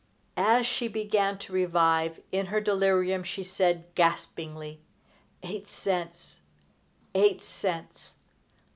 As she began to revive in her delirium, she said, gaspingly: "Eight cents! Eight cents!